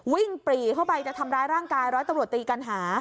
ปรีเข้าไปจะทำร้ายร่างกายร้อยตำรวจตีกัณหา